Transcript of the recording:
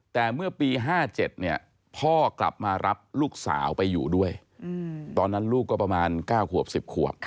แต่เมื่อปี๕๗เนี่ยพ่อกลับมารับลูกสาวไปอยู่ด้วยตอนนั้นลูกก็ประมาณ๙ขวบ๑๐ขวบ